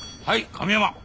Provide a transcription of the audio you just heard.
神山。